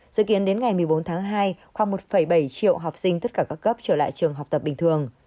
dự kiến đến ngày một mươi bốn tháng hai khoảng một bảy triệu học sinh tất cả các cấp trở lại trường học tập bình thường